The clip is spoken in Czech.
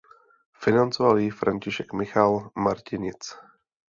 Financoval ji František Michal Martinic.